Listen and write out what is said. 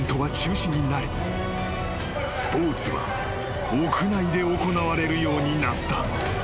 ［スポーツは屋内で行われるようになった］